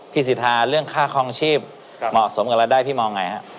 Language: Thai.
สิทธาเรื่องค่าคลองชีพเหมาะสมกับรายได้พี่มองไงฮะ